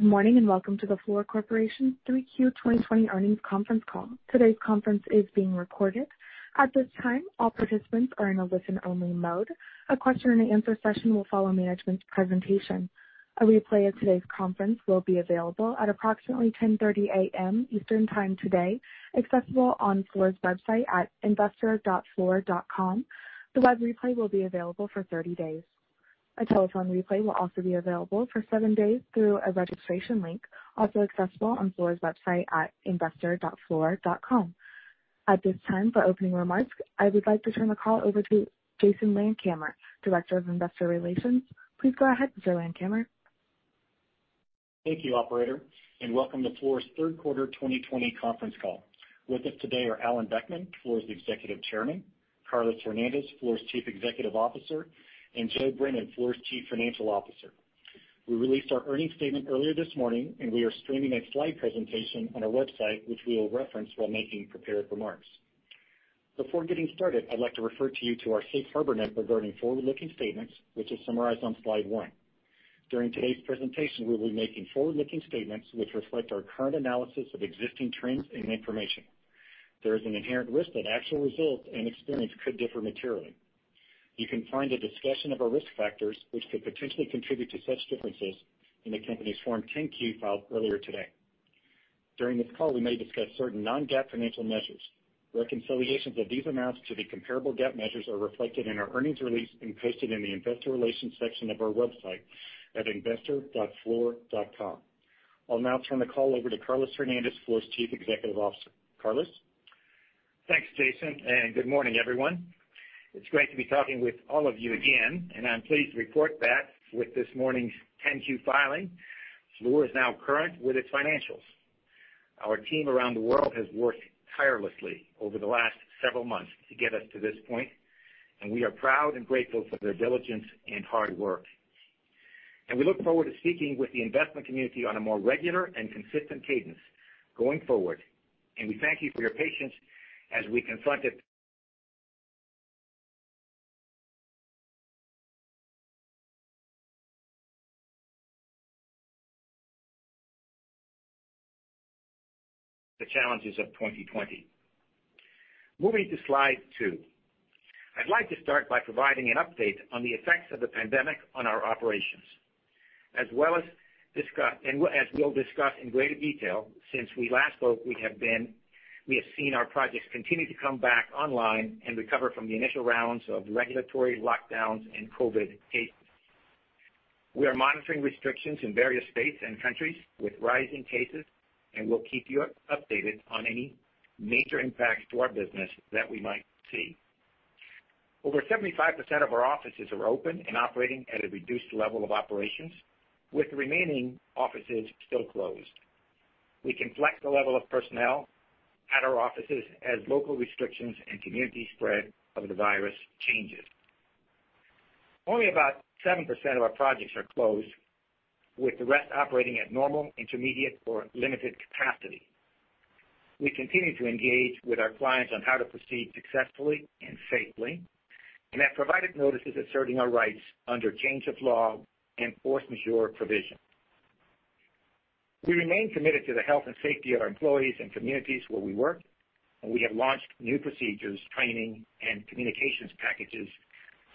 Morning, welcome to the Fluor Corporation 3Q 2020 earnings conference call. Today's conference is being recorded. At this time, all participants are in a listen-only mode. A question and answer session will follow management's presentation. A replay of today's conference will be available at approximately 10:30 A.M. Eastern Time today, accessible on Fluor's website at investor.fluor.com. The web replay will be available for 30 days. A telephone replay will also be available for seven days through a registration link, also accessible on Fluor's website at investor.fluor.com. At this time, for opening remarks, I would like to turn the call over to Jason Landkamer, Director of Investor Relations. Please go ahead, Jason Landkamer. Thank you, operator, welcome to Fluor's third quarter 2020 conference call. With us today are Alan Boeckmann, Fluor's Executive Chairman, Carlos Hernandez, Fluor's Chief Executive Officer, and Joe Brennan, Fluor's Chief Financial Officer. We released our earnings statement earlier this morning, we are streaming a slide presentation on our website, which we will reference while making prepared remarks. Before getting started, I'd like to refer you to our safe harbor note regarding forward-looking statements, which is summarized on slide one. During today's presentation, we'll be making forward-looking statements which reflect our current analysis of existing trends and information. There is an inherent risk that actual results and experience could differ materially. You can find a discussion of our risk factors, which could potentially contribute to such differences, in the company's Form 10-Q filed earlier today. During this call, we may discuss certain non-GAAP financial measures. Reconciliations of these amounts to the comparable GAAP measures are reflected in our earnings release and posted in the investor relations section of our website at investor.fluor.com. I'll now turn the call over to Carlos Hernandez, Fluor's Chief Executive Officer. Carlos? Thanks, Jason, and good morning, everyone. It's great to be talking with all of you again, and I'm pleased to report that with this morning's 10-Q filing, Fluor is now current with its financials. Our team around the world has worked tirelessly over the last several months to get us to this point, and we are proud and grateful for their diligence and hard work. We look forward to speaking with the investment community on a more regular and consistent cadence going forward, and we thank you for your patience as we confronted the challenges of 2020. Moving to slide two. I'd like to start by providing an update on the effects of the pandemic on our operations. As we'll discuss in greater detail, since we last spoke, we have seen our projects continue to come back online and recover from the initial rounds of regulatory lockdowns and COVID cases. We are monitoring restrictions in various states and countries with rising cases, and we'll keep you updated on any major impacts to our business that we might see. Over 75% of our offices are open and operating at a reduced level of operations, with the remaining offices still closed. We can flex the level of personnel at our offices as local restrictions and community spread of the virus changes. Only about 7% of our projects are closed, with the rest operating at normal, intermediate, or limited capacity. We continue to engage with our clients on how to proceed successfully and safely, and have provided notices asserting our rights under change of law and force majeure provision. We remain committed to the health and safety of our employees and communities where we work. We have launched new procedures, training, and communications packages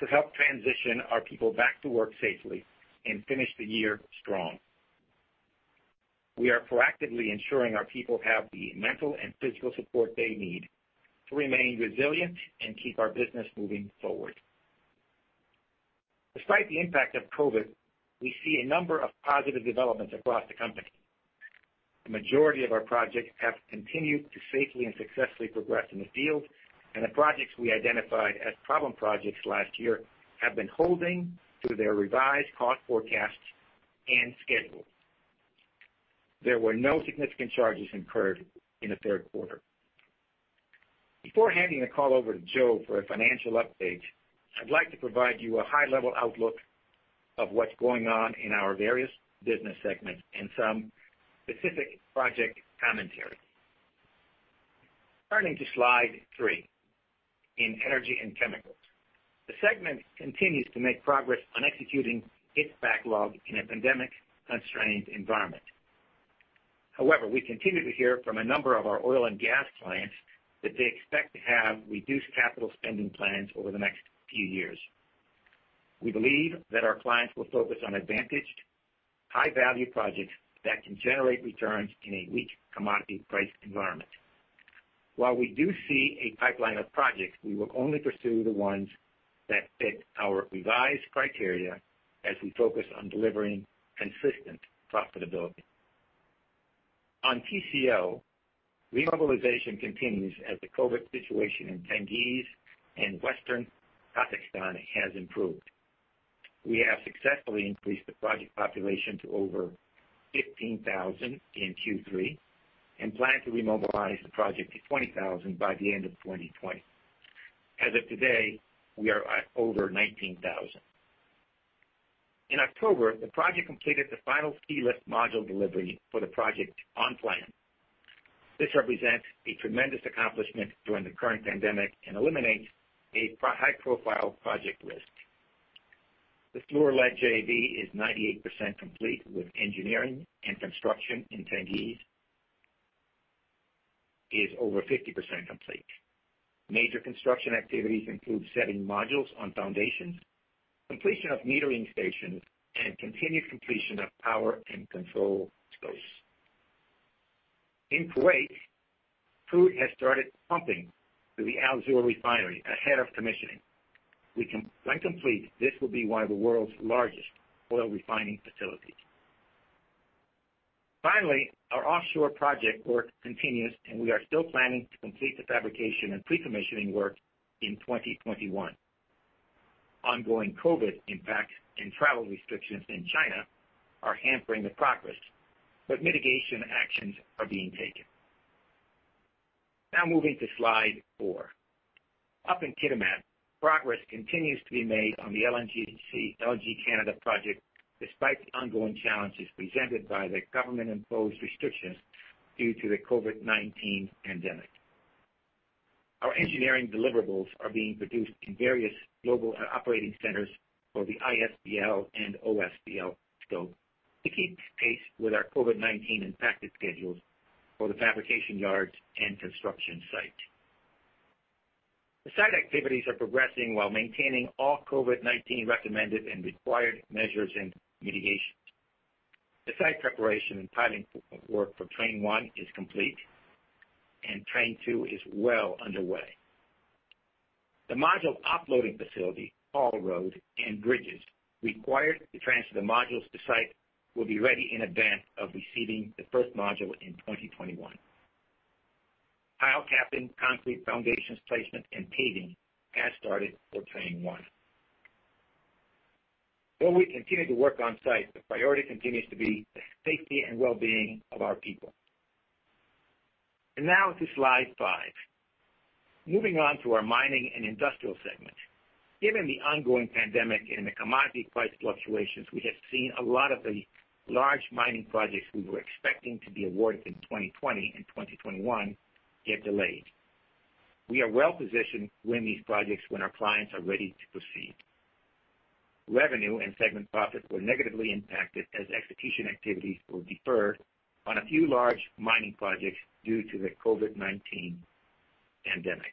to help transition our people back to work safely and finish the year strong. We are proactively ensuring our people have the mental and physical support they need to remain resilient and keep our business moving forward. Despite the impact of COVID, we see a number of positive developments across the company. The majority of our projects have continued to safely and successfully progress in the field. The projects we identified as problem projects last year have been holding to their revised cost forecasts and schedules. There were no significant charges incurred in the third quarter. Before handing the call over to Joe for a financial update, I'd like to provide you a high-level outlook of what's going on in our various business segments and some specific project commentary. Turning to slide three. In Energy & Chemicals, the segment continues to make progress on executing its backlog in a pandemic-constrained environment. However, we continue to hear from a number of our oil and gas clients that they expect to have reduced capital spending plans over the next few years. We believe that our clients will focus on advantaged, high-value projects that can generate returns in a weak commodity price environment. While we do see a pipeline of projects, we will only pursue the ones that fit our revised criteria as we focus on delivering consistent profitability. On TCO, remobilization continues as the COVID situation in Tengiz and western Kazakhstan has improved. We have successfully increased the project population to over 15,000 in Q3 and plan to remobilize the project to 20,000 by the end of 2020. As of today, we are at over 19,000. In October, the project completed the final sealift module delivery for the project on plan. This represents a tremendous accomplishment during the current pandemic and eliminates a high-profile project risk. The Fluor-led JV is 98% complete with engineering and construction, and Tengizchevroil is over 50% complete. Major construction activities include setting modules on foundations, completion of metering stations, and continued completion of power and control scopes. In Kuwait, Fluor has started pumping to the Al-Zour refinery ahead of commissioning. When complete, this will be one of the world's largest oil refining facilities. Finally, our offshore project work continues, and we are still planning to complete the fabrication and pre-commissioning work in 2021. Ongoing COVID impacts and travel restrictions in China are hampering the progress, but mitigation actions are being taken. Moving to slide four. Up in Kitimat, progress continues to be made on the LNG Canada project despite the ongoing challenges presented by the government-imposed restrictions due to the COVID-19 pandemic. Our engineering deliverables are being produced in various global operating centers for the Inside Battery Limits and Outside Battery Limits scope to keep pace with our COVID-19-impacted schedules for the fabrication yards and construction site. The site activities are progressing while maintaining all COVID-19 recommended and required measures and mitigations. The site preparation and piling work for train one is complete, and train two is well underway. The module offloading facility, haul road, and bridges required to transfer the modules to site will be ready in advance of receiving the first module in 2021. Pile cap and concrete foundations placement and paving has started for train one. Though we continue to work on-site, the priority continues to be the safety and wellbeing of our people. Now to slide five. Moving on to our mining and industrial segment. Given the ongoing pandemic and the commodity price fluctuations, we have seen a lot of the large mining projects we were expecting to be awarded in 2020 and 2021 get delayed. We are well-positioned to win these projects when our clients are ready to proceed. Revenue and segment profits were negatively impacted as execution activities were deferred on a few large mining projects due to the COVID-19 pandemic.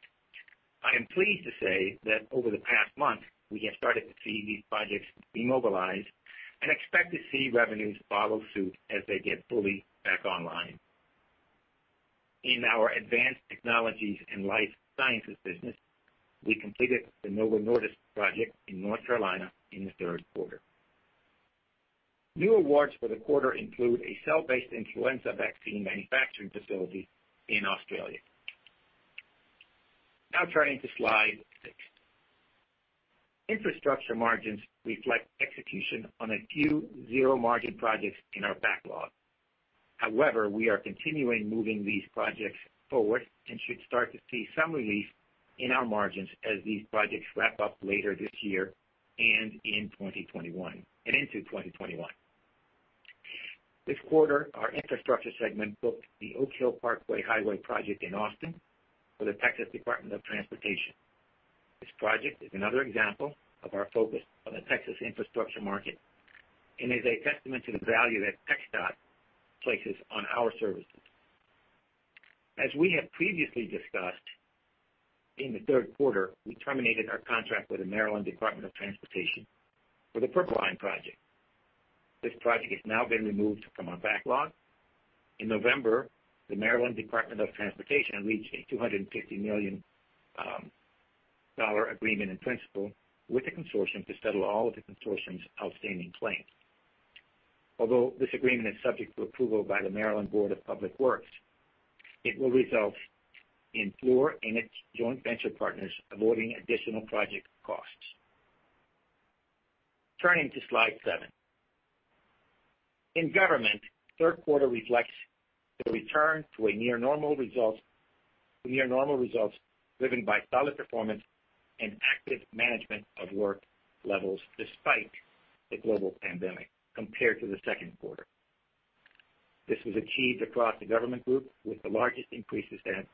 I am pleased to say that over the past month, we have started to see these projects be mobilized and expect to see revenues follow suit as they get fully back online. In our Advanced Technologies & Life Sciences business, we completed the Novo Nordisk project in North Carolina in the third quarter. New awards for the quarter include a cell-based influenza vaccine manufacturing facility in Australia. Now turning to slide six. Infrastructure margins reflect execution on a few zero-margin projects in our backlog. However, we are continuing moving these projects forward and should start to see some relief in our margins as these projects wrap up later this year and into 2021. This quarter, our infrastructure segment booked the Oak Hill Parkway highway project in Austin for the Texas Department of Transportation. This project is another example of our focus on the Texas infrastructure market and is a testament to the value that TxDOT places on our services. As we have previously discussed, in the third quarter, we terminated our contract with the Maryland Department of Transportation for the Purple Line project. This project has now been removed from our backlog. In November, the Maryland Department of Transportation reached a $250 million agreement in principle with the consortium to settle all of the consortium's outstanding claims. Although this agreement is subject to approval by the Maryland Board of Public Works, it will result in Fluor and its joint venture partners avoiding additional project costs. Turning to slide seven. In government, third quarter reflects the return to a near normal results driven by solid performance and active management of work levels despite the global pandemic compared to the second quarter. This was achieved across the government group with the largest increases at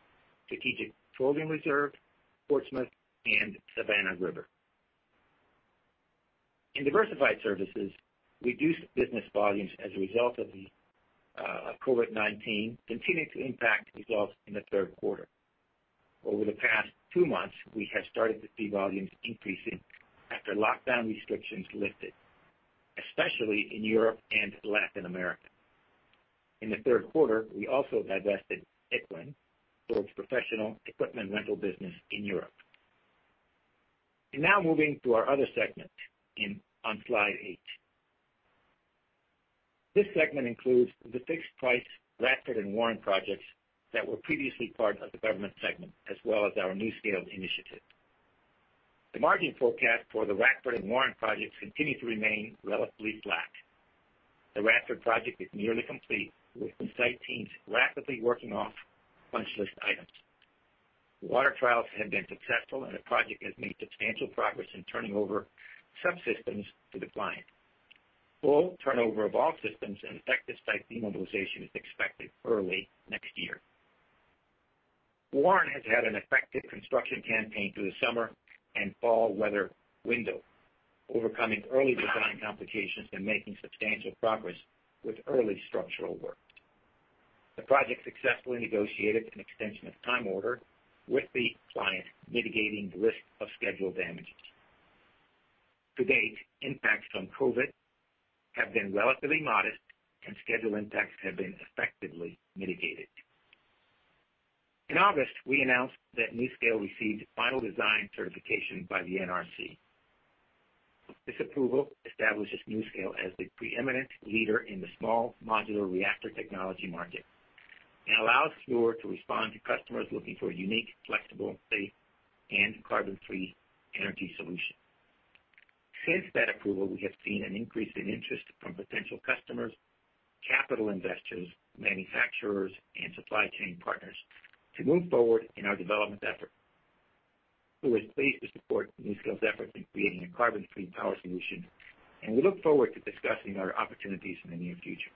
Strategic Petroleum Reserve, Portsmouth, and Savannah River. In diversified services, reduced business volumes as a result of COVID-19 continued to impact results in the third quarter. Over the past two months, we have started to see volumes increasing after lockdown restrictions lifted, especially in Europe and Latin America. In the third quarter, we also divested EQIN, Fluor's professional equipment rental business in Europe. Now moving to our other segment on slide eight. This segment includes the fixed-price Radford and Warren projects that were previously part of the government segment, as well as our NuScale initiative. The margin forecast for the Radford and Warren projects continue to remain relatively flat. The Radford project is nearly complete, with the site teams rapidly working off punch list items. The water trials have been successful, and the project has made substantial progress in turning over subsystems to the client. Full turnover of all systems and effective site demobilization is expected early next year. Warren has had an effective construction campaign through the summer and fall weather window, overcoming early design complications and making substantial progress with early structural work. The project successfully negotiated an extension of time order with the client mitigating the risk of schedule damages. To date, impacts from COVID have been relatively modest, and schedule impacts have been effectively mitigated. In August, we announced that NuScale received final design certification by the Nuclear Regulatory Commission. This approval establishes NuScale as the preeminent leader in the small modular reactor technology market and allows Fluor to respond to customers looking for a unique, flexible, safe, and carbon-free energy solution. Since that approval, we have seen an increase in interest from potential customers, capital investors, manufacturers, and supply chain partners to move forward in our development efforts. Fluor is pleased to support NuScale's efforts in creating a carbon-free power solution, and we look forward to discussing our opportunities in the near future.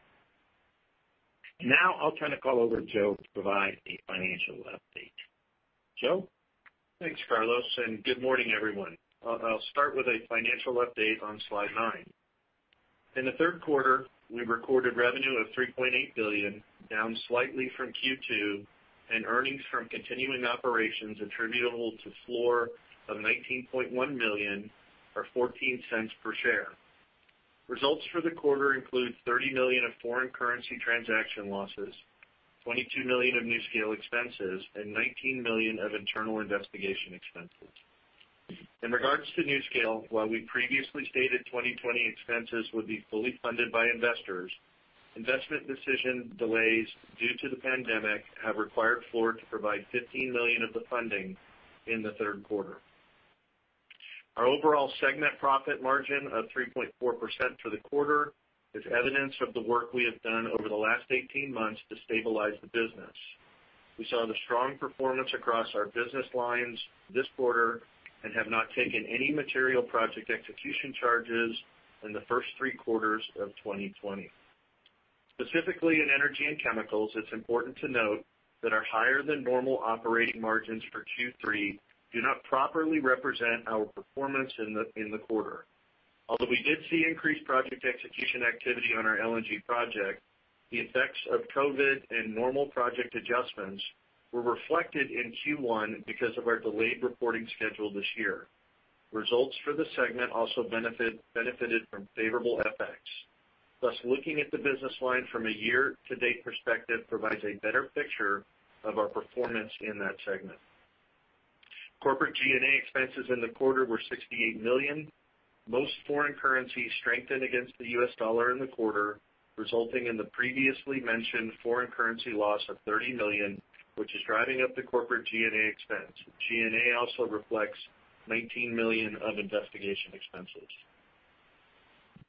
Now I'll turn the call over to Joe to provide a financial update. Joe Brennan? Thanks, Carlos, and good morning, everyone. I'll start with a financial update on slide nine. In the third quarter, we recorded revenue of $3.8 billion, down slightly from Q2, and earnings from continuing operations attributable to Fluor of $19.1 million or $0.14 per share. Results for the quarter include $30 million of foreign currency transaction losses, $22 million of NuScale expenses, and $19 million of internal investigation expenses. In regards to NuScale, while we previously stated 2020 expenses would be fully funded by investors, investment decision delays due to the pandemic have required Fluor to provide $15 million of the funding in the third quarter. Our overall segment profit margin of 3.4% for the quarter is evidence of the work we have done over the last 18 months to stabilize the business. We saw the strong performance across our business lines this quarter and have not taken any material project execution charges in the first three quarters of 2020. Specifically, in energy and chemicals, it's important to note that our higher than normal operating margins for Q3 do not properly represent our performance in the quarter. Although we did see increased project execution activity on our LNG project, the effects of COVID and normal project adjustments were reflected in Q1 because of our delayed reporting schedule this year. Results for the segment also benefited from favorable FX. Thus, looking at the business line from a year-to-date perspective provides a better picture of our performance in that segment. Corporate G&A expenses in the quarter were $68 million. Most foreign currencies strengthened against the U.S. dollar in the quarter, resulting in the previously mentioned foreign currency loss of $30 million, which is driving up the corporate G&A expense. G&A also reflects $19 million of investigation expenses.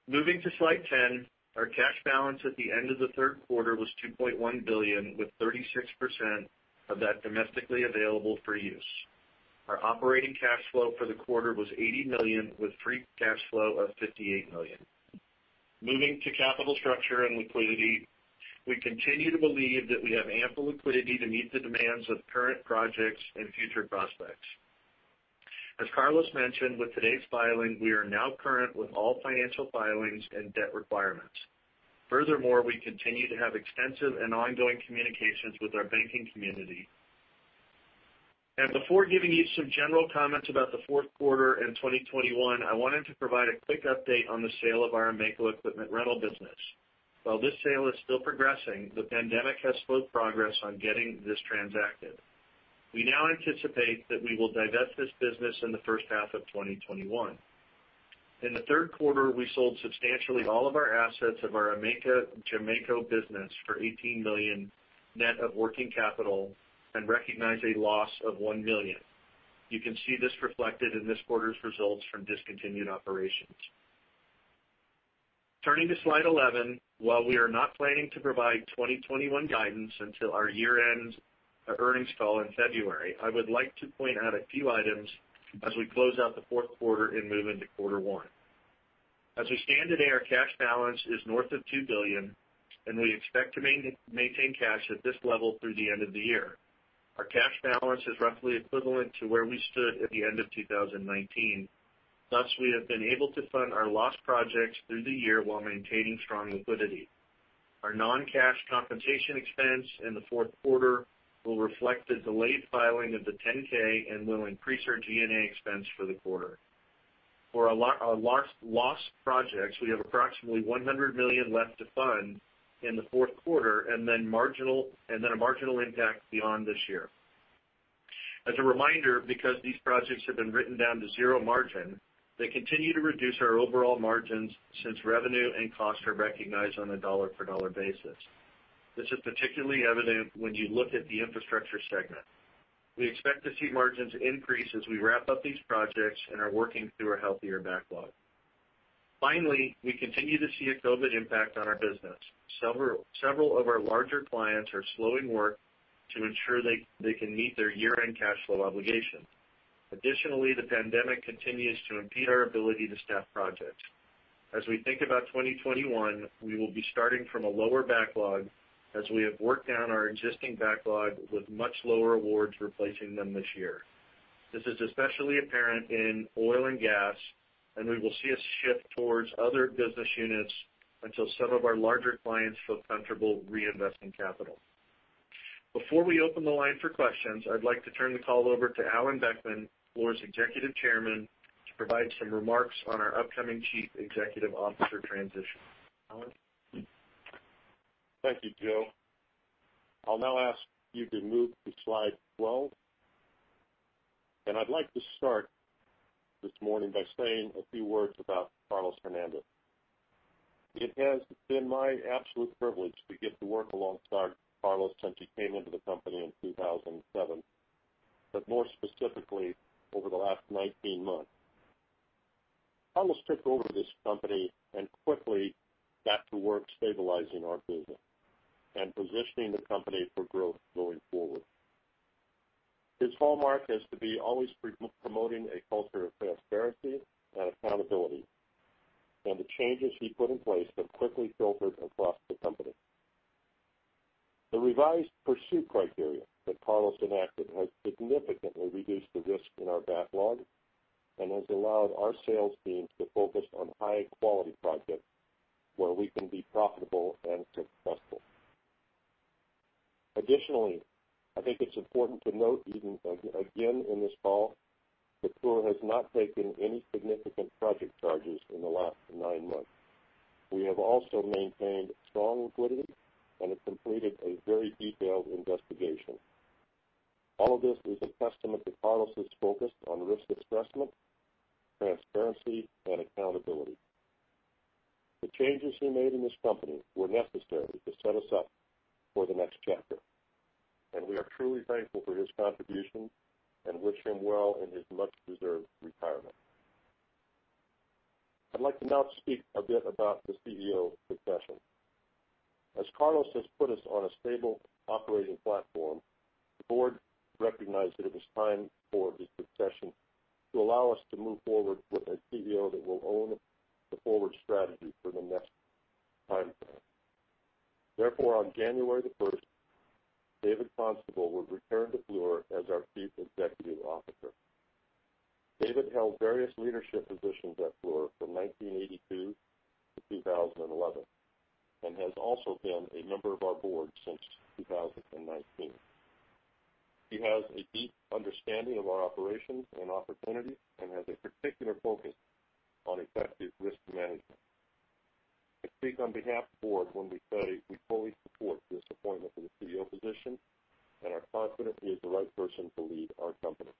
Moving to slide 10, our cash balance at the end of the third quarter was $2.1 billion, with 36% of that domestically available for use. Our operating cash flow for the quarter was $80 million, with free cash flow of $58 million. Moving to capital structure and liquidity, we continue to believe that we have ample liquidity to meet the demands of current projects and future prospects. As Carlos mentioned with today's filing, we are now current with all financial filings and debt requirements. Furthermore, we continue to have extensive and ongoing communications with our banking community. Before giving you some general comments about the fourth quarter and 2021, I wanted to provide a quick update on the sale of our AMECO equipment rental business. While this sale is still progressing, the pandemic has slowed progress on getting this transacted. We now anticipate that we will divest this business in the first half of 2021. In the third quarter, we sold substantially all of our assets of our AMECO business for $18 million net of working capital and recognized a loss of $1 million. You can see this reflected in this quarter's results from discontinued operations. Turning to slide 11. While we are not planning to provide 2021 guidance until our year-end earnings call in February, I would like to point out a few items as we close out the fourth quarter and move into quarter one. As we stand today, our cash balance is north of $2 billion, and we expect to maintain cash at this level through the end of the year. Our cash balance is roughly equivalent to where we stood at the end of 2019. Thus, we have been able to fund our loss projects through the year while maintaining strong liquidity. Our non-cash compensation expense in the fourth quarter will reflect the delayed filing of the 10-K and will increase our G&A expense for the quarter. For our loss projects, we have approximately $100 million left to fund in the fourth quarter, and then a marginal impact beyond this year. As a reminder, because these projects have been written down to zero margin, they continue to reduce our overall margins since revenue and cost are recognized on a dollar-for-dollar basis. This is particularly evident when you look at the infrastructure segment. We expect to see margins increase as we wrap up these projects and are working through a healthier backlog. Finally, we continue to see a COVID impact on our business. Several of our larger clients are slowing work to ensure they can meet their year-end cash flow obligation. Additionally, the pandemic continues to impede our ability to staff projects. As we think about 2021, we will be starting from a lower backlog as we have worked down our existing backlog with much lower awards replacing them this year. This is especially apparent in oil and gas, and we will see a shift towards other business units until some of our larger clients feel comfortable reinvesting capital. Before we open the line for questions, I'd like to turn the call over to Alan Boeckmann, Fluor's Executive Chairman, to provide some remarks on our upcoming Chief Executive Officer transition. Alan? Thank you, Joe. I'll now ask you to move to slide 12. I'd like to start this morning by saying a few words about Carlos Hernandez. It has been my absolute privilege to get to work alongside Carlos since he came into the company in 2007, but more specifically, over the last 19 months. Carlos took over this company and quickly got to work stabilizing our business and positioning the company for growth going forward. His hallmark has to be always promoting a culture of transparency and accountability, and the changes he put in place have quickly filtered across the company. The revised pursuit criteria that Carlos enacted has significantly reduced the risk in our backlog and has allowed our sales teams to focus on high-quality projects where we can be profitable and successful. Additionally, I think it's important to note even again in this call that Fluor has not taken any significant project charges in the last nine months. We have also maintained strong liquidity and have completed a very detailed investigation. All of this is a testament to Carlos' focus on risk assessment, transparency, and accountability. The changes he made in this company were necessary to set us up for the next chapter, and we are truly thankful for his contribution and wish him well in his much-deserved retirement. I'd like to now speak a bit about the CEO succession. As Carlos has put us on a stable operating platform, the board recognized that it was time for the succession to allow us to move forward with a CEO that will own the forward strategy for the next timeframe. Therefore, on January 1st, David Constable will return to Fluor as our Chief Executive Officer. David held various leadership positions at Fluor from 1982 to 2011 and has also been a member of our board since 2019. He has a deep understanding of our operations and opportunities and has a particular focus on effective risk management. I speak on behalf of the board when we say we fully support this appointment for the CEO position and are confident he is the right person to lead our company.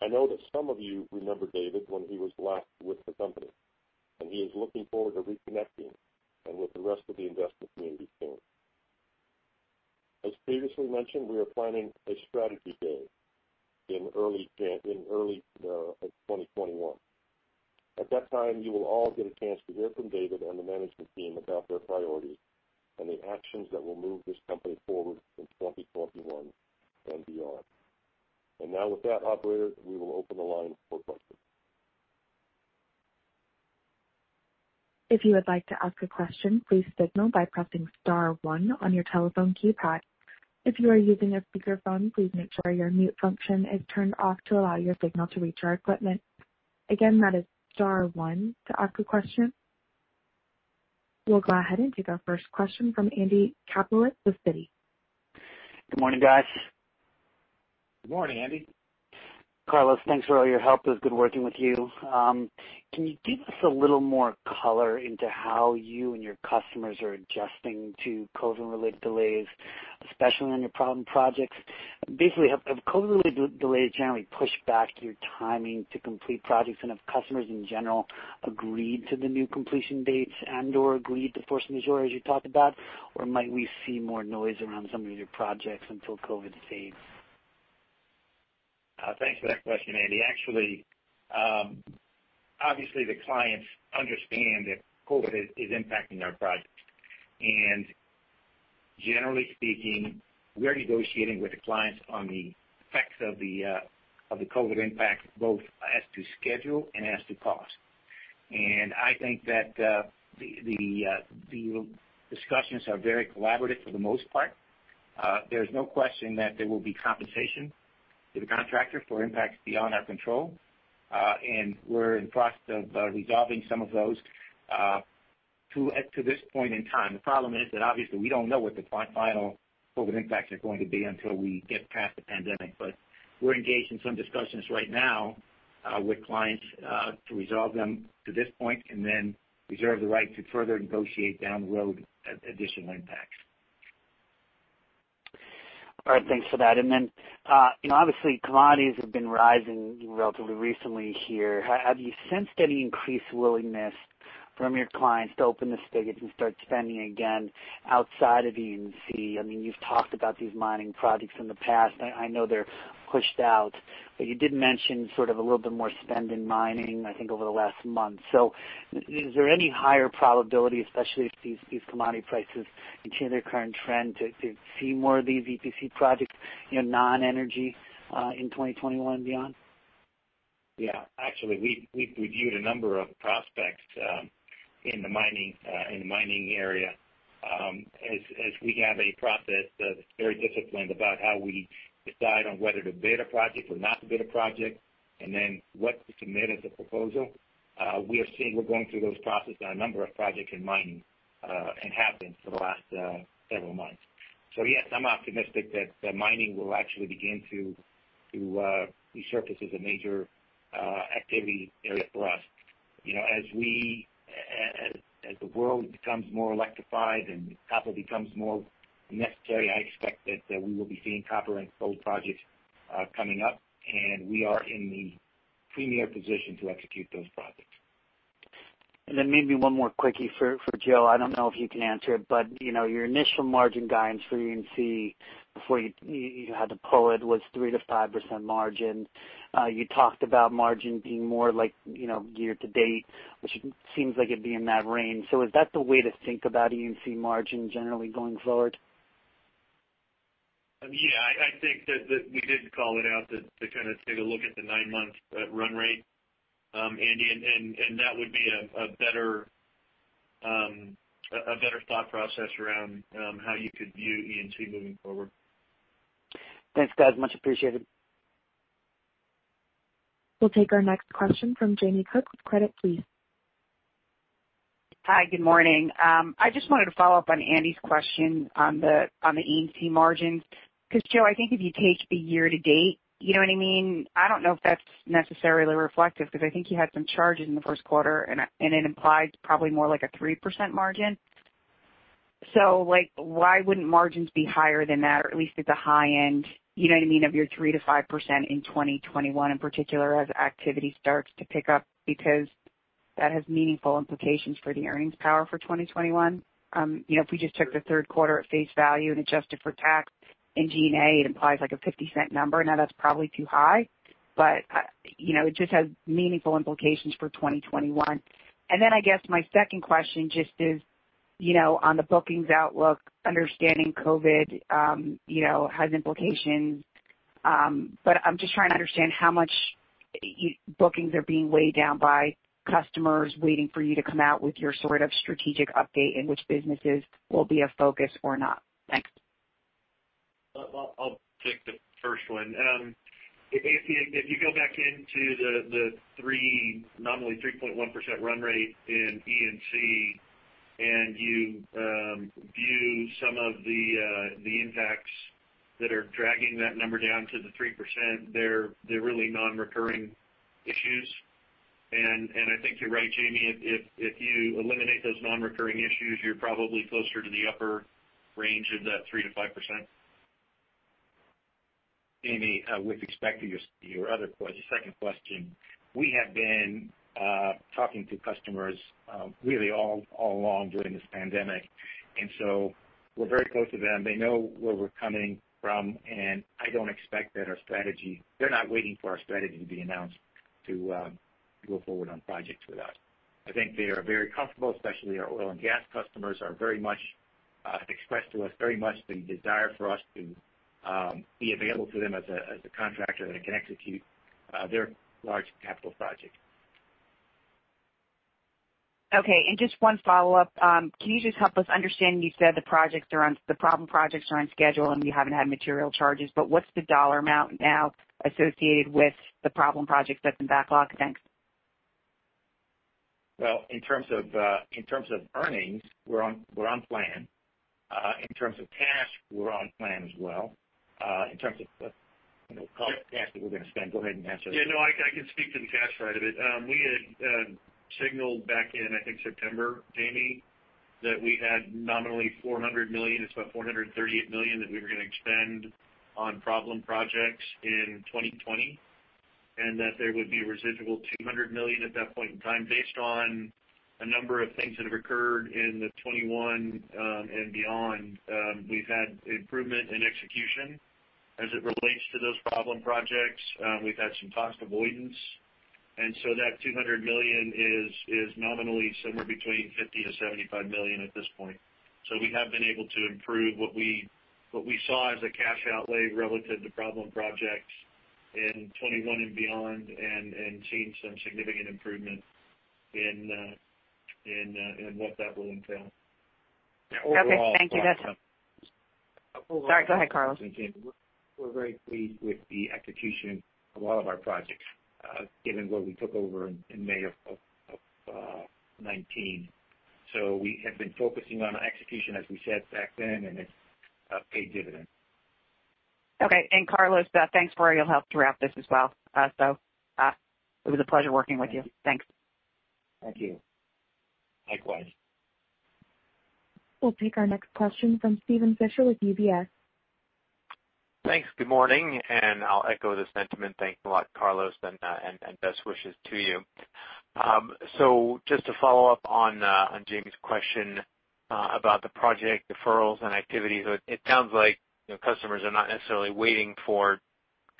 I know that some of you remember David when he was last with the company, and he is looking forward to reconnecting and with the rest of the investment community soon. As previously mentioned, we are planning a strategy day in early January 2021. At that time, you will all get a chance to hear from David and the management team about their priorities and the actions that will move this company forward in 2021 and beyond. Now with that, operator, we will open the line for questions. If you would like to ask a question, please signal by pressing star one on your telephone keypad. If you are using a speakerphone, please make sure your mute function is turned off to allow your signal to reach our equipment. Again, that is star one to ask a question. We'll go ahead and take our first question from Andy Kaplowitz with Citi. Good morning, guys. Good morning, Andy. Carlos, thanks for all your help. It was good working with you. Can you give us a little more color into how you and your customers are adjusting to COVID-related delays, especially on your problem projects? Basically, have COVID-related delays generally pushed back your timing to complete projects, and have customers in general agreed to the new completion dates and/or agreed to force majeure, as you talked about, or might we see more noise around some of your projects until COVID fades? Thanks for that question, Andy. Actually, obviously, the clients understand that COVID is impacting our projects. Generally speaking, we're negotiating with the clients on the effects of the COVID impact, both as to schedule and as to cost. I think that the discussions are very collaborative for the most part. There's no question that there will be compensation to the contractor for impacts beyond our control. We're in the process of resolving some of those to this point in time. The problem is that obviously we don't know what the final COVID impacts are going to be until we get past the pandemic. We're engaged in some discussions right now, with clients, to resolve them to this point and then reserve the right to further negotiate down the road additional impacts. All right. Thanks for that. Obviously, commodities have been rising relatively recently here. Have you sensed any increased willingness from your clients to open the spigots and start spending again outside of Engineering & Construction? You've talked about these mining projects in the past. I know they're pushed out, but you did mention a little bit more spend in mining, I think, over the last month. Is there any higher probability, especially if these commodity prices continue their current trend, to see more of these Engineering, Procurement, and Construction projects, non-energy, in 2021 and beyond? Yeah. Actually, we viewed a number of prospects in the mining area. We have a process that's very disciplined about how we decide on whether to bid a project or not to bid a project, and then what to submit as a proposal. We are going through those processes on a number of projects in mining, and have been for the last several months. Yes, I'm optimistic that mining will actually begin to resurface as a major activity area for us. The world becomes more electrified and copper becomes more necessary, I expect that we will be seeing copper and gold projects coming up, and we are in the premier position to execute those projects. Maybe one more quickie for Joe. I don't know if you can answer it, your initial margin guidance for E&C before you had to pull it was 3%-5% margin. You talked about margin being more like year-to-date, which seems like it'd be in that range. Is that the way to think about E&C margin generally going forward? Yeah, I think that we did call it out to take a look at the nine-month run rate, Andy, and that would be a better thought process around how you could view E&C moving forward. Thanks, guys, much appreciated. We'll take our next question from Jamie Cook with Credit Suisse. Hi, good morning. I just wanted to follow up on Andy's question on the E&C margins. Joe, I think if you take the year to date, you know what I mean? I don't know if that's necessarily reflective, because I think you had some charges in the first quarter, and it implied probably more like a 3% margin. Why wouldn't margins be higher than that, or at least at the high end of your 3%-5% in 2021, in particular, as activity starts to pick up? That has meaningful implications for the earnings power for 2021. If we just took the third quarter at face value and adjusted for tax and G&A, it implies like a $0.50 number. Now, that's probably too high, but it just has meaningful implications for 2021. I guess my second question just is on the bookings outlook, understanding COVID has implications. I'm just trying to understand how much bookings are being weighed down by customers waiting for you to come out with your strategic update in which businesses will be a focus or not. Thanks. I'll take the first one. If you go back into the nominally 3.1% run rate in E&C and you view some of the impacts that are dragging that number down to the 3%, they're really non-recurring issues. I think you're right, Jamie. If you eliminate those non-recurring issues, you're probably closer to the upper range of that 3%-5%. Jamie, with respect to your second question, we have been talking to customers really all along during this pandemic, and so we're very close to them. They know where we're coming from, and they're not waiting for our strategy to be announced to go forward on projects with us. I think they are very comfortable, especially our oil and gas customers have expressed to us very much the desire for us to be available to them as a contractor that can execute their large capital projects. Okay, just one follow-up. Can you just help us understand, you said the problem projects are on schedule and you haven't had material charges, but what's the dollar amount now associated with the problem projects that's in backlog? Thanks. Well, in terms of earnings, we're on plan. In terms of cash, we're on plan as well. In terms of cash that we're going to spend. Go ahead and answer that. Yeah, no, I can speak to the cash side of it. We had signaled back in, I think September, Jamie, that we had nominally $400 million, it's about $438 million that we were going to spend on problem projects in 2020, and that there would be a residual $200 million at that point in time based on a number of things that have occurred in 2021 and beyond. We've had improvement in execution as it relates to those problem projects. We've had some cost avoidance, that $200 million is nominally somewhere between $50 million-$75 million at this point. We have been able to improve what we saw as a cash outlay relative to problem projects in 2021 and beyond and seen some significant improvement in what that will entail. Okay, thank you. Overall. Sorry, go ahead, Carlos. We're very pleased with the execution of all of our projects, given what we took over in May of 2019. We have been focusing on execution, as we said back then, and it's paid dividends. Okay. Carlos, thanks for all your help throughout this as well. It was a pleasure working with you. Thanks. Thank you. Likewise. We'll take our next question from Steven Fisher with UBS. Thanks. Good morning, I'll echo the sentiment. Thanks a lot, Carlos, and best wishes to you. Just to follow up on Jamie's question about the project deferrals and activity. It sounds like customers are not necessarily waiting for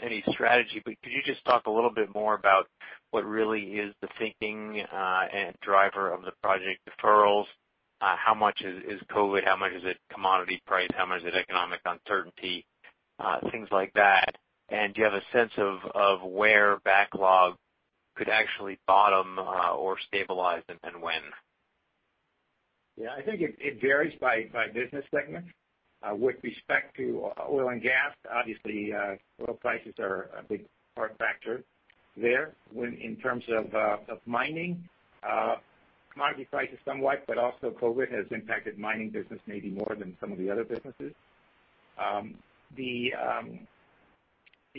any strategy, but could you just talk a little bit more about what really is the thinking, and driver of the project deferrals? How much is COVID, how much is it commodity price, how much is it economic uncertainty, things like that. Do you have a sense of where backlog could actually bottom or stabilize, and when? I think it varies by business segment. With respect to Oil and Gas, obviously, oil prices are a big part factor there. In terms of Mining, commodity prices somewhat, but also COVID has impacted mining business maybe more than some of the other businesses. The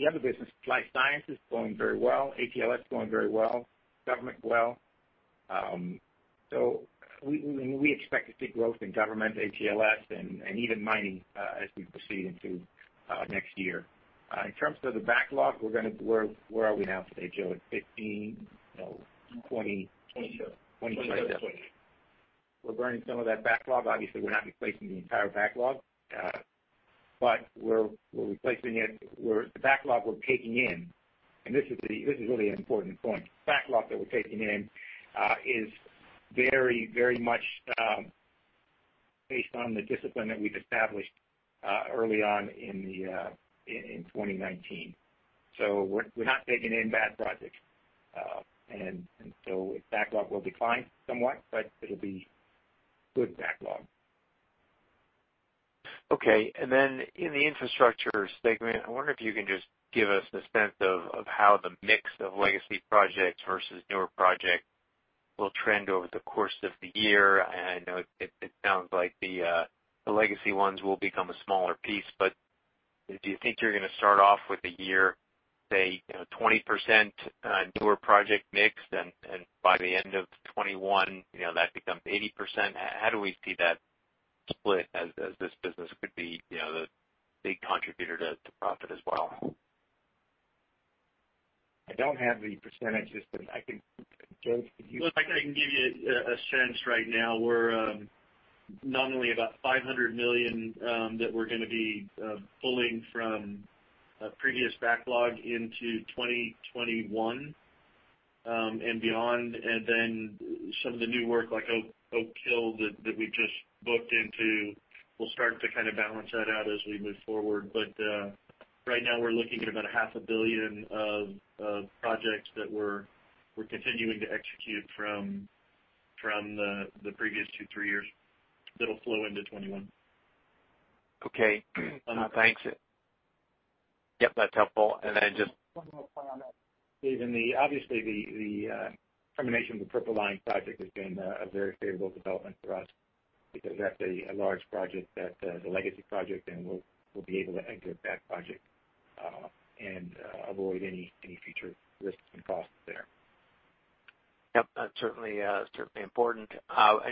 other business, Life Sciences is going very well. AT&LS is going very well. Government, well. We expect to see growth in Government, AT&LS, and even Mining, as we proceed into next year. In terms of the backlog, where are we now today, Joe? At 15, 20? 27. We're burning some of that backlog. Obviously, we're not replacing the entire backlog. The backlog we're taking in, and this is really an important point. Backlog that we're taking in, is very much based on the discipline that we've established early on in 2019. We're not taking in bad projects. Backlog will decline somewhat, but it'll be good backlog. Okay. Then in the infrastructure segment, I wonder if you can just give us a sense of how the mix of legacy projects versus newer projects will trend over the course of the year. I know it sounds like the legacy ones will become a smaller piece, do you think you're going to start off with a year, say, 20% newer project mix and by the end of 2021, that becomes 80%? How do we see that split as this business could be the big contributor to profit as well? I don't have the percentages, but Joe, could you? Look, I can give you a sense right now. We're nominally about $500 million that we're going to be pulling from previous backlog into 2021 and beyond. Some of the new work like Oak Hill that we've just booked into, we'll start to kind of balance that out as we move forward. Right now, we're looking at about a half a billion of projects that we're continuing to execute from the previous two, three years that'll flow into 2021. Okay. Thanks. Yep, that's helpful. One more point on that. Steven, obviously the termination of the Purple Line project has been a very favorable development for us because that's a large project that is a legacy project, and we'll be able to exit that project, and avoid any future risks and costs there. Yep. That's certainly important.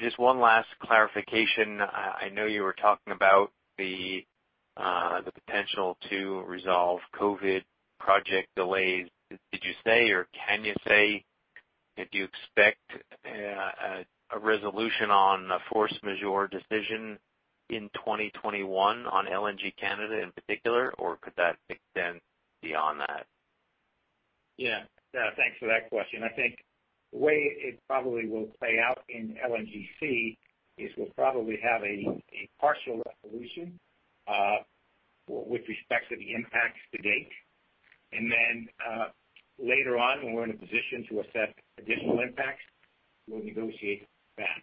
Just one last clarification. I know you were talking about the potential to resolve COVID project delays. Did you say, or can you say, do you expect a resolution on a force majeure decision in 2021 on LNG Canada in particular, or could that extend beyond that? Yeah. Thanks for that question. I think the way it probably will play out in LNGC is we'll probably have a partial resolution, with respect to the impacts to date. Later on, when we're in a position to assess additional impacts, we'll negotiate that.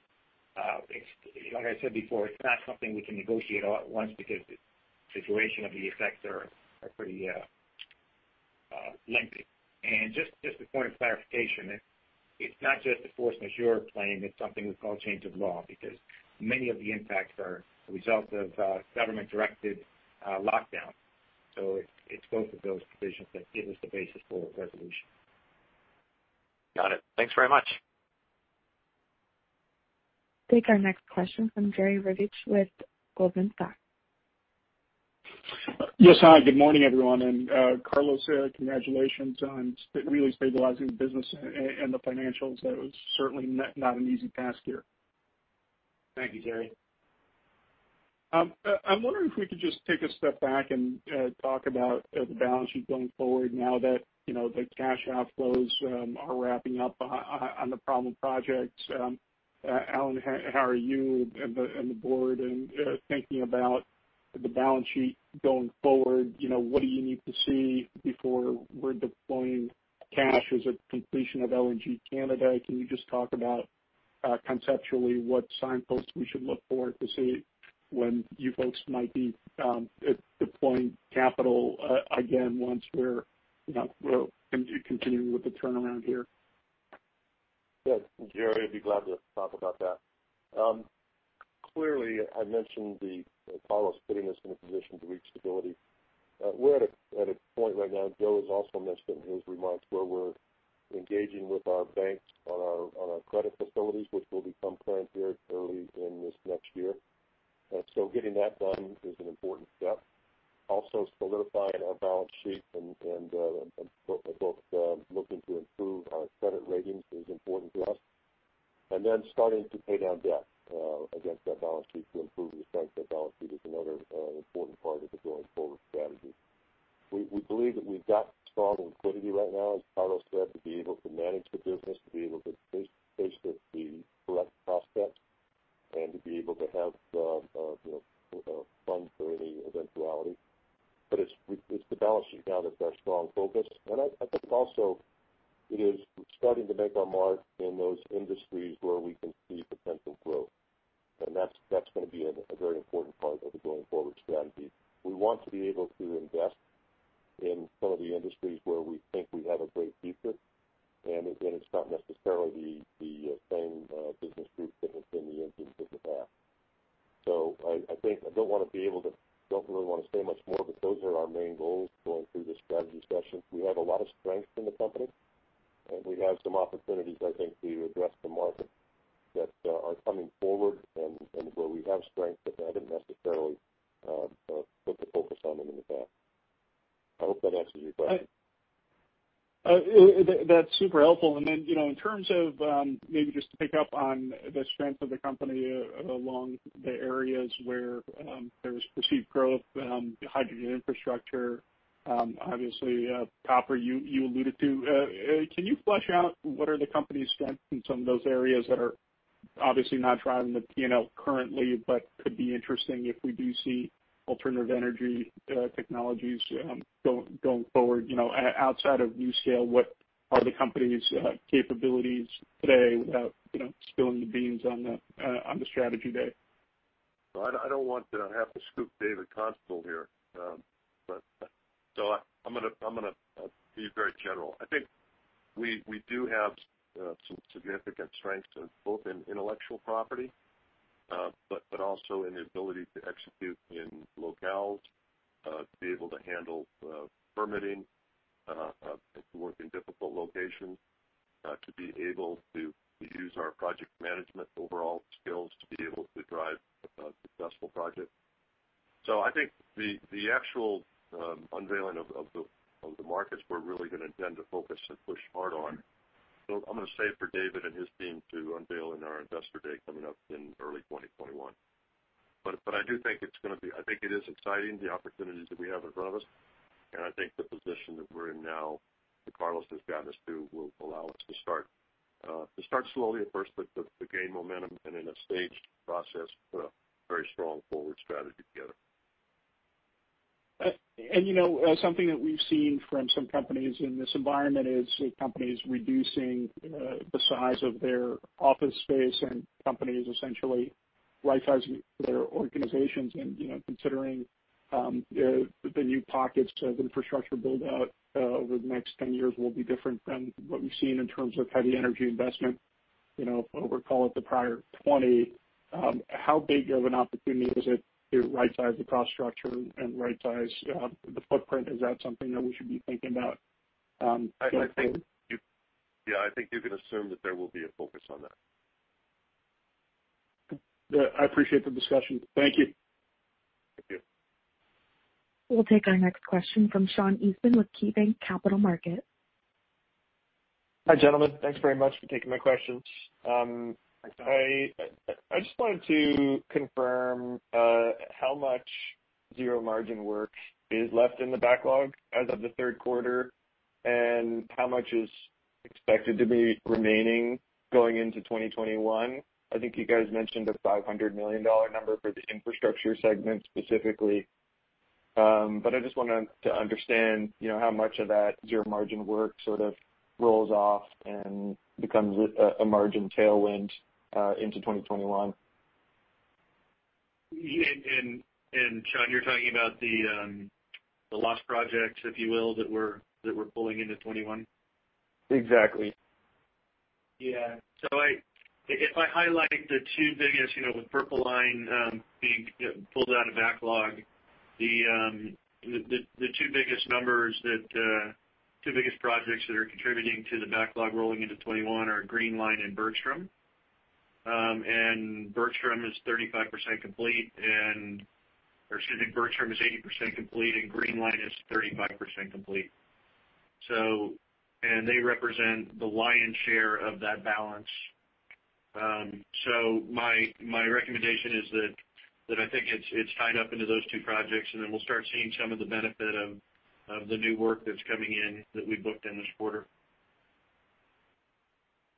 Like I said before, it's not something we can negotiate all at once because the situation of the effects are pretty lengthy. Just a point of clarification, it's not just a force majeure claim, it's something we call change of law, because many of the impacts are a result of government-directed lockdown. It's both of those provisions that give us the basis for resolution. Got it. Thanks very much. Take our next question from Jerry Revich with Goldman Sachs. Yes. Hi, good morning, everyone. Carlos, congratulations on really stabilizing the business and the financials. That was certainly not an easy task here. Thank you, Jerry. I'm wondering if we could just take a step back and talk about the balance sheet going forward now that the cash outflows are wrapping up on the problem projects. Alan, how are you and the board thinking about the balance sheet going forward? What do you need to see before we're deploying cash as a completion of LNG Canada? Can you just talk about conceptually what signposts we should look for to see when you folks might be deploying capital again once we're continuing with the turnaround here? Good. Jerry, I'd be glad to talk about that. Clearly, I mentioned Carlos putting us in a position to reach stability. We're at a point right now, Carlos has also mentioned in his remarks, where we're engaging with our banks on our credit facilities, which will become current very early in this next year. Getting that done is an important step. Also solidifying our balance sheet and both looking to improve our credit ratings is important to us. Starting to pay down debt against that balance sheet to improve the strength of the balance sheet is another important part of the going forward strategy. We believe that we've got strong liquidity right now, as Carlos said, to be able to manage the business, to be able to face the correct prospects, and to be able to have funds for any eventuality. It's the balance sheet now that's our strong focus. I think also it is starting to make our mark in those industries where we can see potential growth. That's going to be a very important part of the going forward strategy. We want to be able to invest in some of the industries where we think we have a great thesis, and it's not necessarily the same business groups that we've been in in the past. I don't really want to say much more, but those are our main goals going through the strategy session. We have a lot of strength in the company, and we have some opportunities, I think, to address the market that are coming forward and where we have strength, but haven't necessarily put the focus on them in the past. I hope that answers your question? That's super helpful. In terms of, maybe just to pick up on the strength of the company along the areas where there's perceived growth, hydrogen infrastructure, obviously, copper, you alluded to. Can you flesh out what are the company's strengths in some of those areas that are obviously not driving the P&L currently, but could be interesting if we do see alternative energy technologies going forward? Outside of NuScale, what are the company's capabilities today without spilling the beans on the strategy day? I don't want to have to scoop David Constable here. I'm going to be very general. I think we do have some significant strengths both in intellectual property, but also in the ability to execute in locales, to be able to handle permitting, to work in difficult locations, to be able to use our project management overall skills, to be able to drive a successful project. I think the actual unveiling of the markets we're really going to intend to focus and push hard on, I'm going to save for David and his team to unveil in our Investor Day coming up in early 2021. I do think it is exciting, the opportunities that we have in front of us. I think the position that we're in now that Carlos has gotten us to will allow us to start slowly at first, but to gain momentum and in a staged process, put a very strong forward strategy together. Something that we've seen from some companies in this environment is companies reducing the size of their office space and companies essentially right-sizing their organizations. Considering the new pockets of infrastructure build-out over the next 10 years will be different from what we've seen in terms of heavy energy investment, over call it the prior 20. How big of an opportunity is it to right-size the cost structure and right-size the footprint? Is that something that we should be thinking about going forward? Yeah, I think you can assume that there will be a focus on that. I appreciate the discussion. Thank you. We'll take our next question from Sean Eastman with KeyBanc Capital Markets. Hi, gentlemen. Thanks very much for taking my questions. I just wanted to confirm how much zero margin work is left in the backlog as of the third quarter, and how much is expected to be remaining going into 2021. I think you guys mentioned a $500 million number for the infrastructure segment specifically. I just wanted to understand how much of that zero margin work sort of rolls off and becomes a margin tailwind into 2021. Sean, you're talking about the loss projects, if you will, that we're pulling into 2021? Exactly. If I highlight the two biggest, with Purple Line being pulled out of backlog, the two biggest projects that are contributing to the backlog rolling into 2021 are Green Line and Bergstrom. Bergstrom is 80% complete and Green Line is 35% complete. They represent the lion's share of that balance. My recommendation is that I think it's tied up into those two projects, and then we'll start seeing some of the benefit of the new work that's coming in that we booked in this quarter.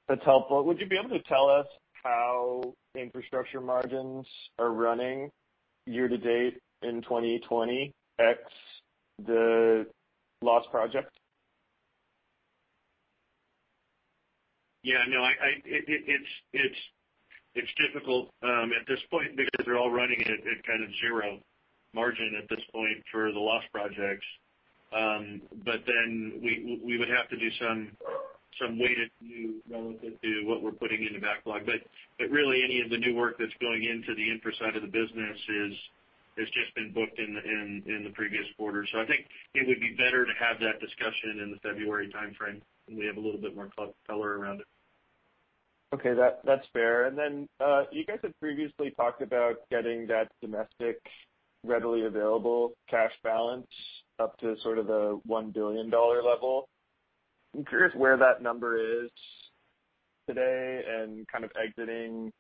That's helpful. Would you be able to tell us how infrastructure margins are running year to date in 2020, ex the loss project? Yeah, no, it's difficult at this point because they're all running at kind of zero margin at this point for the loss projects. We would have to do some weighted view relative to what we're putting in the backlog. Really any of the new work that's going into the infra side of the business has just been booked in the previous quarter. I think it would be better to have that discussion in the February timeframe when we have a little bit more color around it. Okay. That's fair. You guys have previously talked about getting that domestic readily available cash balance up to sort of the $1 billion level. I'm curious where that number is today and kind of exiting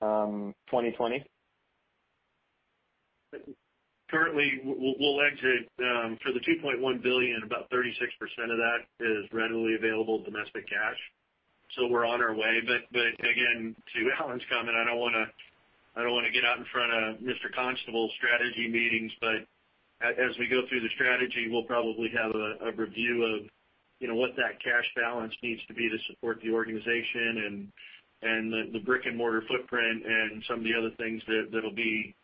2020. Currently, we'll exit for the $2.1 billion, about 36% of that is readily available domestic cash. We're on our way. Again, to Alan's comment, I don't want to get out in front of Mr. Constable's strategy meetings, but as we go through the strategy, we'll probably have a review of what that cash balance needs to be to support the organization and the brick-and-mortar footprint and some of the other things that'll be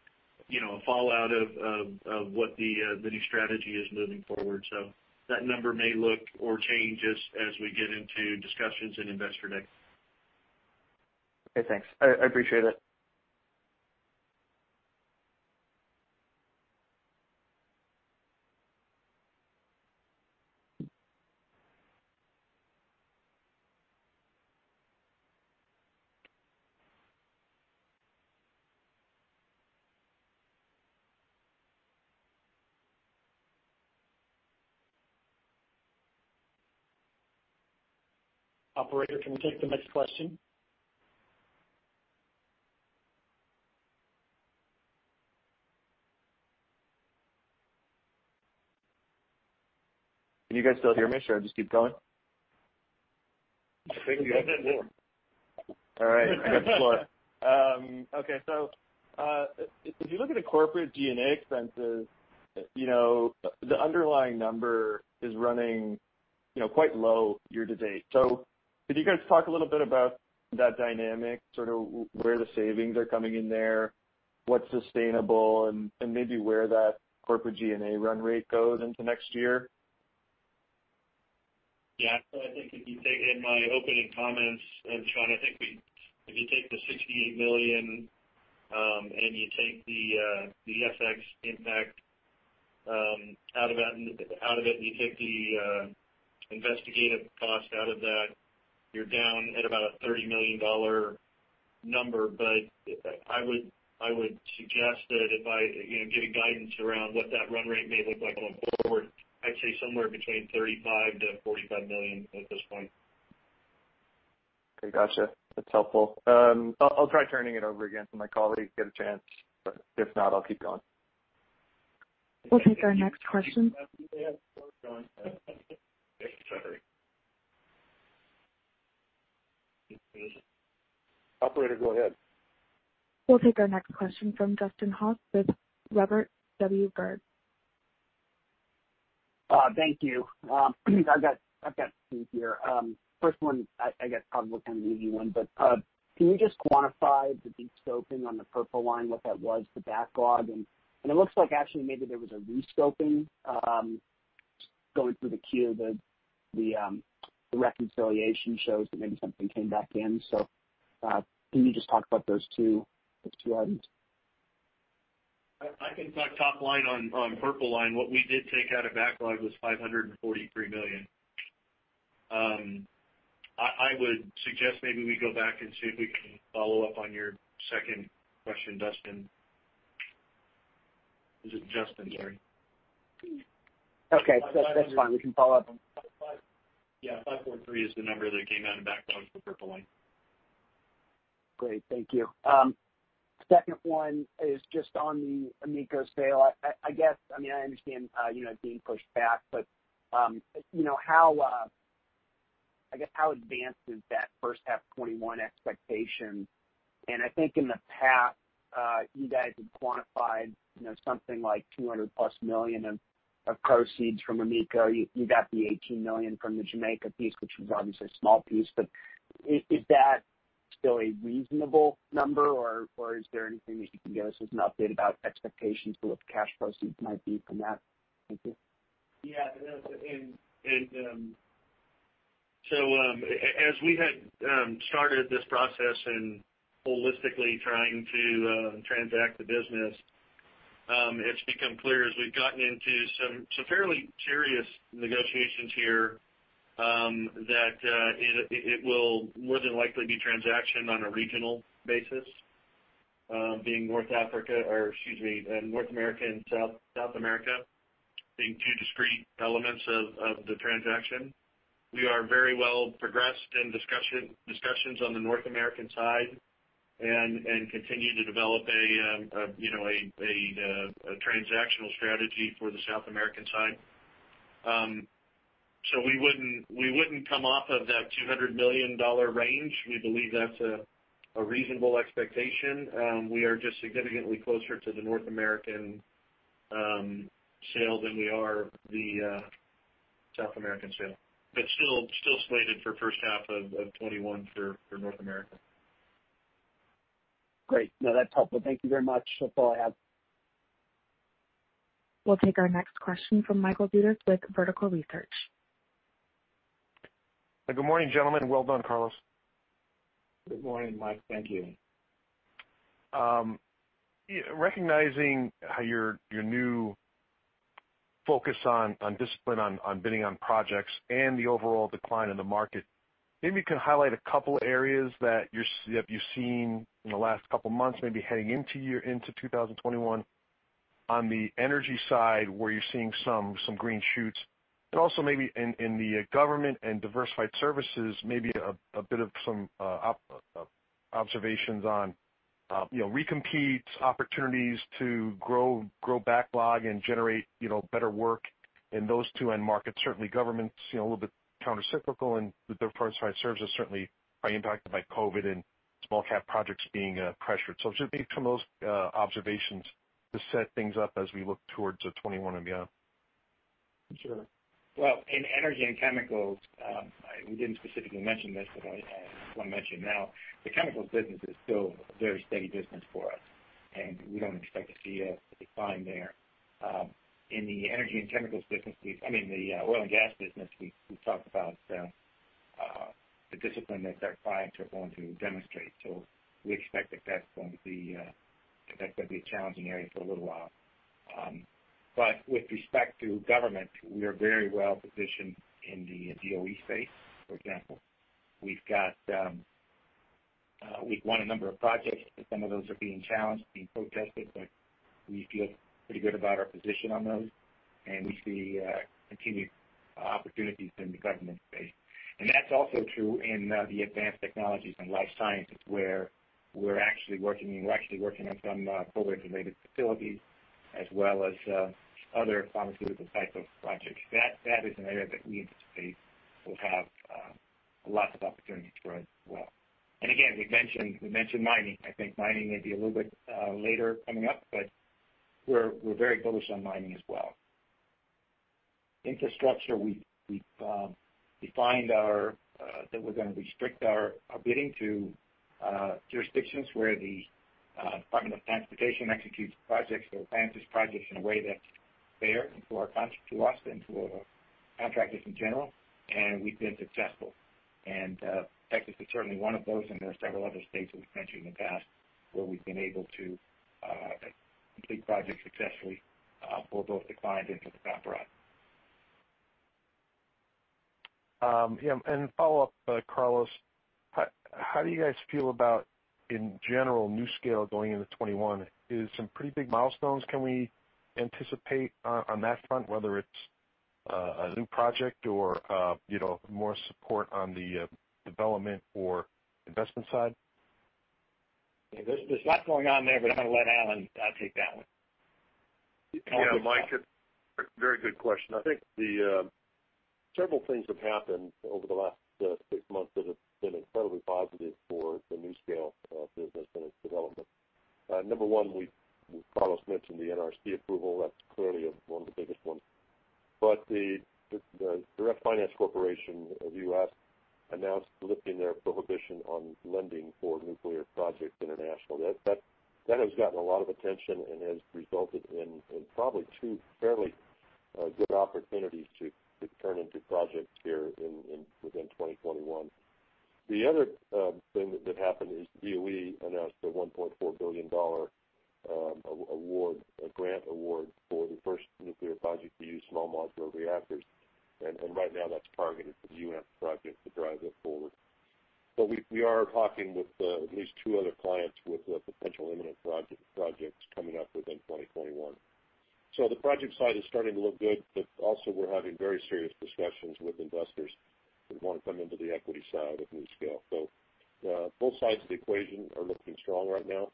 a fallout of what the new strategy is moving forward. That number may look or change as we get into discussions in Investor Day. Okay, thanks. I appreciate it. Operator, can we take the next question? Can you guys still hear me, or should I just keep going? I think you have it, yeah. All right, I got the floor. Okay, if you look at the corporate G&A expenses, the underlying number is running quite low year to date. Could you guys talk a little bit about that dynamic, sort of where the savings are coming in there, what's sustainable, and maybe where that corporate G&A run rate goes into next year? Yeah. I think if you take, in my opening comments, Sean, I think if you take the $68 million, you take the FX impact out of it, you take the investigative cost out of that, you're down at about a $30 million number. I would suggest that if I give guidance around what that run rate may look like going forward, I'd say somewhere between $35 million-$45 million at this point. Okay, got you. That's helpful. I'll try turning it over again for my colleague to get a chance, but if not, I'll keep going. We'll take our next question. Operator, go ahead. We'll take our next question from Dustin Haas with Robert W. Baird. Thank you. I've got two here. First one I guess probably kind of an easy one, can you just quantify the de-scoping on the Purple Line, what that was, the backlog, and it looks like actually maybe there was a re-scoping, going through the Form 10-Q, the reconciliation shows that maybe something came back in. Can you just talk about those two items? I think that top line on Purple Line, what we did take out of backlog was $543 million. I would suggest maybe we go back and see if we can follow up on your second question, Dustin. Is it Dustin? Sorry. Okay. That's fine. We can follow up. Yeah, $543 is the number that came out of backlog for Purple Line. Great. Thank you. Second one is just on the AMECO sale. I understand it being pushed back, but I guess how advanced is that first half 2021 expectation? I think in the past, you guys had quantified something like $200 million- of proceeds from AMECO. You got the $18 million from the Jamaica piece, which was obviously a small piece, but is that still a reasonable number, or is there anything that you can give us as an update about expectations for what the cash proceeds might be from that? Thank you. Yeah. As we had started this process and holistically trying to transact the business, it's become clear as we've gotten into some fairly serious negotiations here that it will more than likely be transacted on a regional basis, being North America and South America, being two discrete elements of the transaction. We are very well progressed in discussions on the North American side and continue to develop a transactional strategy for the South American side. We wouldn't come off of that $200 million range. We believe that's a reasonable expectation. We are just significantly closer to the North American sale than we are the South American sale. Still slated for the first half of 2021 for North America. Great. No, that's helpful. Thank you very much. That's all I have. We'll take our next question from Michael Dudas with Vertical Research Partners. Good morning, gentlemen. Well done, Carlos. Good morning, Michael. Thank you. Recognizing how your new focus on discipline on bidding on projects and the overall decline in the market, maybe you can highlight a couple areas that you've seen in the last couple of months, maybe heading into 2021 on the energy side, where you're seeing some green shoots, but also maybe in the governments and diversified services, maybe a bit of some observations on re-compete opportunities to grow backlog and generate better work in those two end markets. Certainly governments, a little bit counter-cyclical and diversified services certainly are impacted by COVID and small cap projects being pressured. It would just be some of those observations to set things up as we look towards 2021 and beyond. In Energy & Chemicals, we didn't specifically mention this, but I want to mention now, the chemicals business is still a very steady business for us, and we don't expect to see a decline there. In the Energy & Chemicals business, I mean, the oil and gas business, we talked about the discipline that our clients are going to demonstrate. We expect that that's going to be a challenging area for a little while. With respect to government, we are very well-positioned in the DOE space. For example, we've won a number of projects. Some of those are being challenged, being protested, but we feel pretty good about our position on those, and we see continued opportunities in the government space. That's also true in the Advanced Technologies & Life Sciences, where we're actually working on some COVID-related facilities as well as other pharmaceutical type of projects. That is an area that we anticipate will have lots of opportunity for us as well. Again, we mentioned mining. I think mining may be a little bit later coming up, but we're very bullish on mining as well. Infrastructure, we've defined that we're going to restrict our bidding to jurisdictions where the Department of Transportation executes projects or finances projects in a way that's fair to us and to contractors in general, and we've been successful. Texas is certainly one of those, and there are several other states we've mentioned in the past where we've been able to complete projects successfully for both the client and for Fluor. Yeah. Follow-up, Carlos, how do you guys feel about, in general, NuScale going into 2021? Is some pretty big milestones can we anticipate on that front, whether it's a new project or more support on the development or investment side? There's lots going on there, but I'm going to let Alan take that one. Yeah, Michael, a very good question. I think several things have happened over the last six months that have been incredibly positive for the NuScale business and its development. Number one, Carlos mentioned the NRC approval. That's clearly one of the biggest ones. The Development Finance Corporation of the U.S. announced lifting their prohibition on lending for nuclear projects international. That has gotten a lot of attention and has resulted in probably two fairly good opportunities to turn into projects here within 2021. The other thing that happened is DOE announced a $1.4 billion grant award for the first nuclear project to use small modular reactors. Right now that's targeted for the. project to drive that forward. We are talking with at least two other clients with potential imminent projects coming up within 2021. The project side is starting to look good, but also we're having very serious discussions with investors who want to come into the equity side of NuScale. Both sides of the equation are looking strong right now.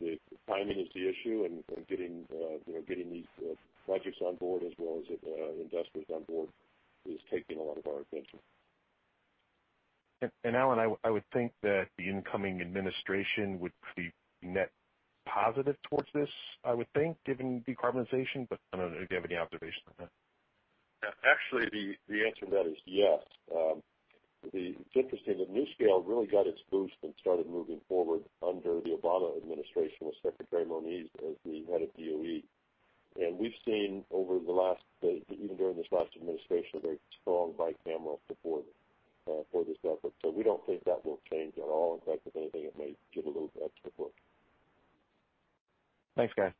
The timing is the issue, and getting these projects on board as well as investors on board is taking a lot of our attention. Alan, I would think that the incoming administration would be net positive towards this, I would think, given decarbonization. I don't know if you have any observation on that. Actually, the answer to that is yes. It's interesting that NuScale really got its boost and started moving forward under the Obama administration with Secretary Moniz as the head of DOE. We've seen over the last, even during this last administration, a very strong bicameral support for this effort. We don't think that will change at all. In fact, if anything, it may give a little extra boost. Thanks, guys.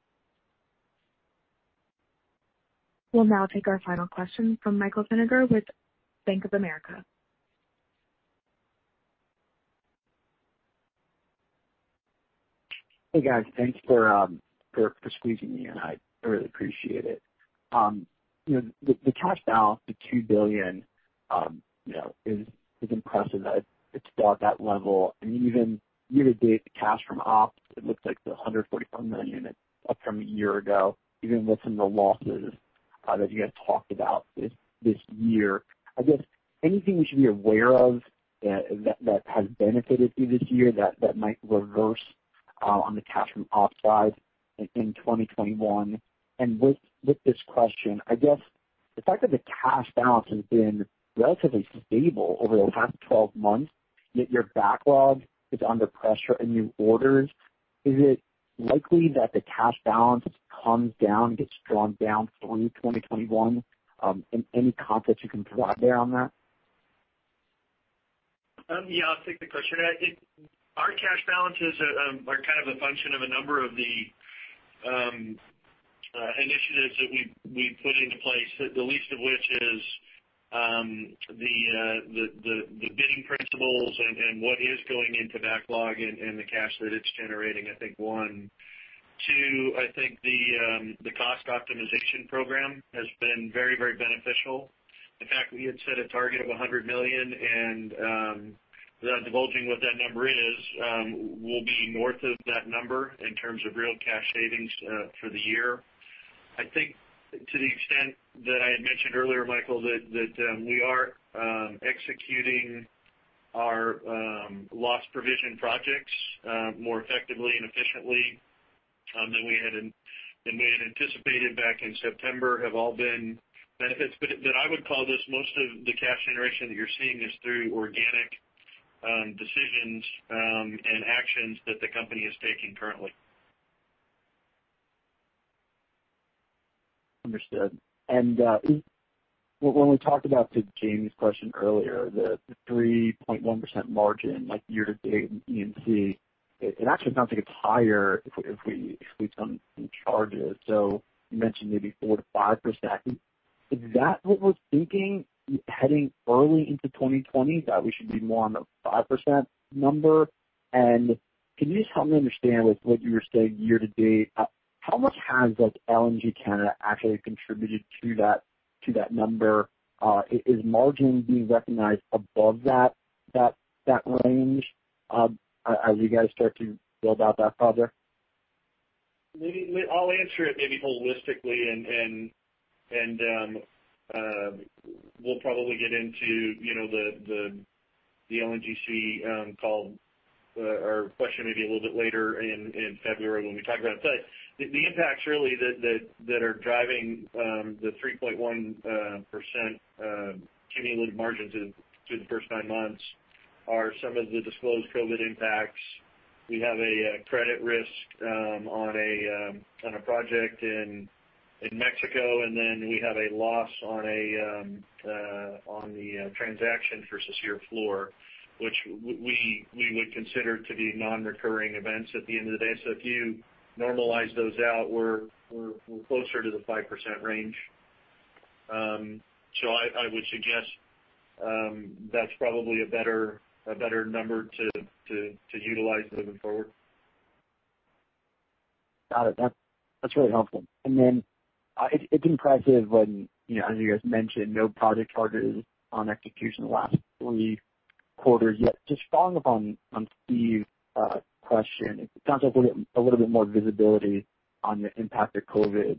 We'll now take our final question from Michael Sibal with Bank of America. Hey, guys. Thanks for squeezing me in. I really appreciate it. The cash balance, the $2 billion, is impressive that it's still at that level. Even year-to-date, the cash from ops, it looks like the $144 million up from a year ago, even with some of the losses that you guys talked about this year. I guess anything we should be aware of that has benefited you this year that might reverse on the cash from ops side in 2021? With this question, the fact that the cash balance has been relatively stable over the last 12 months, yet your backlog is under pressure in new orders, is it likely that the cash balance comes down, gets drawn down through 2021? Any confidence you can provide there on that? Yeah, I'll take the question. Our cash balances are kind of a function of a number of the initiatives that we've put into place, the least of which is the bidding principles and what is going into backlog and the cash that it's generating, I think, one. Two, I think the cost optimization program has been very beneficial. In fact, we had set a target of $100 million and, without divulging what that number is, we'll be north of that number in terms of real cash savings for the year. I think to the extent that I had mentioned earlier, Michael, that we are executing our loss provision projects more effectively and efficiently than we had anticipated back in September have all been benefits. I would call this most of the cash generation that you're seeing is through organic decisions and actions that the company is taking currently. Understood. When we talked about, to Jamie's question earlier, the 3.1% margin, like year to date in E&C, it actually sounds like it's higher if we count charges. You mentioned maybe 4%-5%. Is that what we're thinking heading early into 2020, that we should be more on the 5% number? Can you just help me understand with what you were saying year to date, how much has LNG Canada actually contributed to that number? Is margin being recognized above that range as you guys start to build out that project? I'll answer it maybe holistically and we'll probably get into the LNGC call or question maybe a little bit later in February when we talk about it. The impacts really that are driving the 3.1% cumulative margins through the first nine months are some of the disclosed COVID impacts. We have a credit risk on a project in Mexico, and then we have a loss on the transaction for Fluor, which we would consider to be non-recurring events at the end of the day. If you normalize those out, we're closer to the 5% range. I would suggest that's probably a better number to utilize moving forward. Got it. That's really helpful. It's impressive when, as you guys mentioned, no project charges on execution the last three quarters, yet just following up on Steve's question, it sounds like we're getting a little bit more visibility on the impact of COVID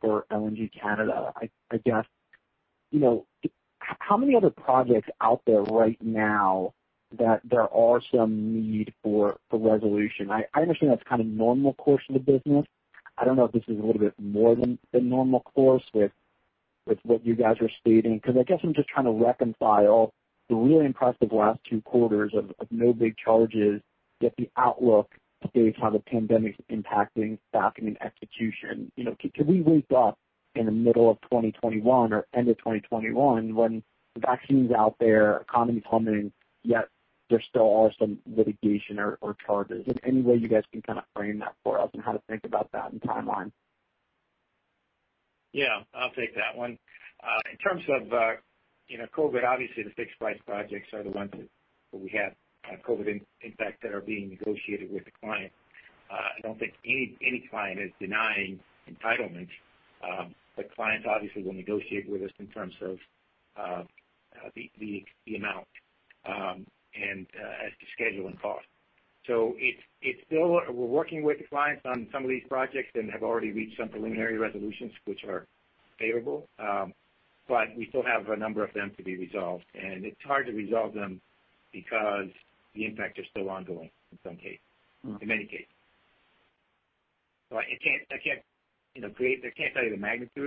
for LNG Canada. I guess, how many other projects out there right now that there are some need for resolution? I understand that's kind of normal course of the business. I don't know if this is a little bit more than the normal course with what you guys are stating. I guess I'm just trying to reconcile the really impressive last two quarters of no big charges, yet the outlook is kind of pandemic impacting staffing and execution. Could we wake up in the middle of 2021 or end of 2021 when the vaccine's out there, economy's humming, yet there still are some litigation or charges? Is there any way you guys can kind of frame that for us and how to think about that in timeline? Yeah, I'll take that one. In terms of COVID, obviously the fixed price projects are the ones where we have COVID impacts that are being negotiated with the client. I don't think any client is denying entitlement. Clients obviously will negotiate with us in terms of the amount as to schedule and cost. We're working with the clients on some of these projects and have already reached some preliminary resolutions which are favorable. We still have a number of them to be resolved, and it's hard to resolve them because the impacts are still ongoing in some cases, in many cases. I can't tell you the magnitude.